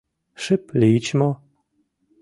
Шып лийыч мо?